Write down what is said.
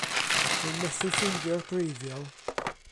Rwy'n methu ffeindio'r gwreiddiol.